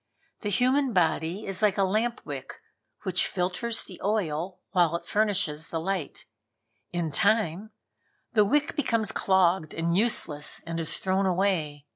The human body is like a lamp wick, which filters the oil while it furnishes light. In time the wick becomes clogged and useless and is thrown away.